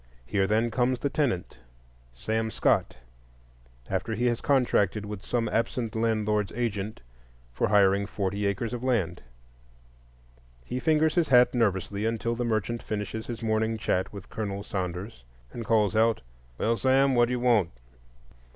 Here, then, comes the tenant, Sam Scott, after he has contracted with some absent landlord's agent for hiring forty acres of land; he fingers his hat nervously until the merchant finishes his morning chat with Colonel Saunders, and calls out, "Well, Sam, what do you want?"